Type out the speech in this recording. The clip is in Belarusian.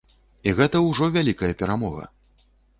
І гэта ўжо вялікая перамога!